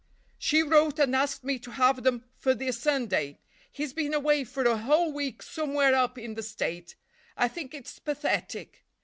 She wrote and asked me to have them for this Sunday; he's been away for a whole week somewhere up in the State. I think it's pathetic."